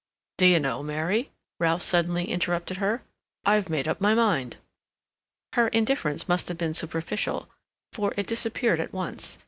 "Do you know, Mary," Ralph suddenly interrupted her, "I've made up my mind." Her indifference must have been superficial, for it disappeared at once.